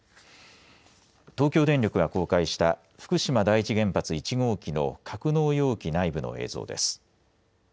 東京電力が公開した福島第一原発１号機の格納容器内部の映像です。